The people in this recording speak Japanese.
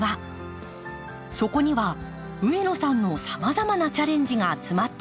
そこには上野さんのさまざまなチャレンジが詰まっています。